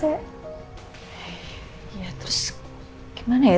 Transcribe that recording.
ya terus gimana ya